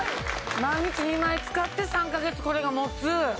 毎日２枚使って３か月これが持つ。